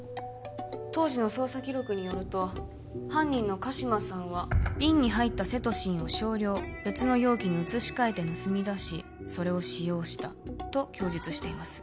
当時の捜査記録によると犯人の鹿島さんは瓶に入ったセトシンを少量別の容器に移しかえて盗み出しそれを使用したと供述しています